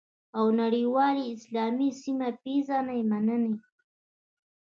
او نړیوالې، اسلامي او سیمه ییزې مننې